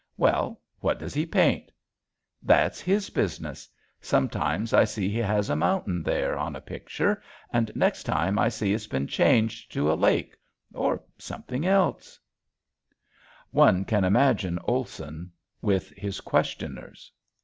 "Well, what does he paint?" "That's his business. Sometimes I see he has a mountain there on a picture, and next time I see it's been changed to a lake or something else." [Illustration: MEAL TIME] One can imagine Olson with his questioners.